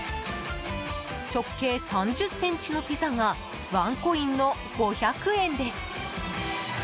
直径３０ｃｍのピザがワンコインの５００円です。